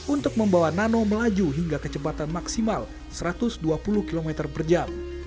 untuk membawa nano melaju hingga kecepatan maksimal satu ratus dua puluh km per jam